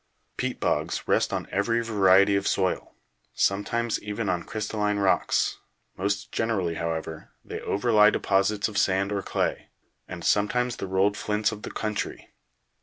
Peat bogs rest on every variety of soil, sometimes even on crystalline rocks ; most generally, however, they overlie deposits of sand or clay, and sometimes the rolled flints of the country.